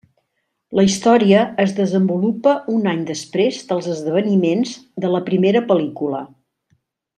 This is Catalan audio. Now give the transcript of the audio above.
La història es desenvolupa un any després dels esdeveniments de la primera pel·lícula.